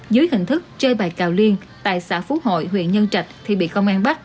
dưới hình thức chơi bài cào liên tại xã phú hội huyện nhân trạch thì bị công an bắt